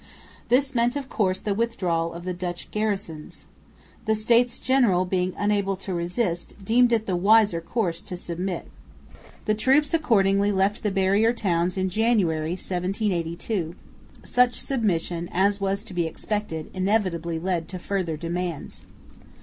This meant of course the withdrawal of the Dutch garrisons. The States General, being unable to resist, deemed it the wiser course to submit. The troops accordingly left the barrier towns in January, 1782. Such submission, as was to be expected, inevitably led to further demands.